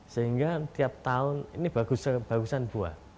sehingga tiap tahun ini bagusan buah